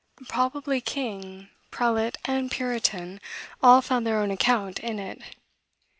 Probably king, prelate and puritan, all found their own account in it.